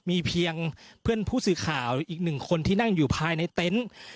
มีเพียงเพื่อนผู้สื่อข่าวหรืออีกหนึ่งคนที่นั่งอยู่ภายในเต็นต์